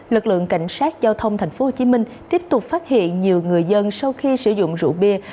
lực lượng cảnh sát giao thông tp hcm tiếp tục phát hiện nhiều người dân sau khi sử dụng rượu bia